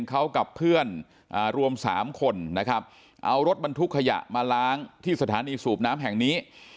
เขากับเพื่อนรวม๓คนนะครับเอารถบรรทุกขยะมาล้างที่สถานีสูบน้ำแห่งนี้